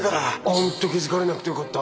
本当気付かれなくてよかった